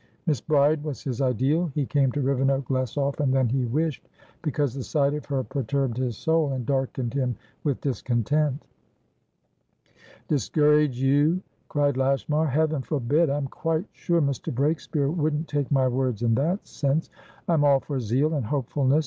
Miss Bride was his ideal. He came to Rivenoak less often than he wished, because the sight of her perturbed his soul and darkened him with discontent. "Discourage you!" cried Lashmar. "Heaven forbid! I'm quite sure Mr. Breakspeare wouldn't take my words in that sense. I am all for zeal and hopefulness.